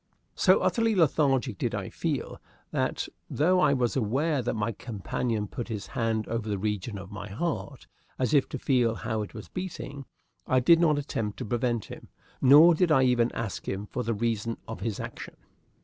So utterly lethargic did I feel that, though I was aware that my companion put his hand over the region of my heart, as if to feel how it was beating, I did not attempt to prevent him, nor did I even ask him for the reason of his action.